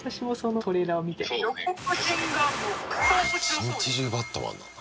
一日中バットマンなんだ。